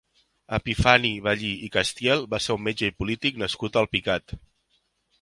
Epifani Bellí i Castiel va ser un metge i polític nascut a Alpicat.